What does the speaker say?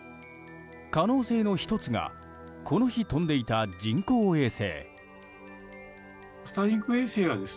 可能性の１つがこの日飛んでいた人工衛星。